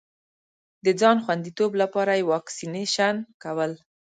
د ځان خوندیتوب لپاره یې واکسېنېشن کول.